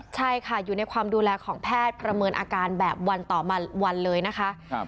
ใช่ค่ะอยู่ในความดูแลของแพทย์ประเมินอาการแบบวันต่อวันเลยนะคะ